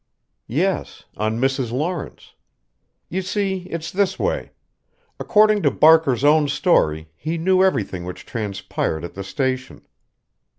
"Yes on Mrs. Lawrence. You see, it's this way: according to Barker's own story he knew everything which transpired at the station.